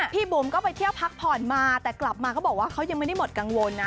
บุ๋มก็ไปเที่ยวพักผ่อนมาแต่กลับมาเขาบอกว่าเขายังไม่ได้หมดกังวลนะ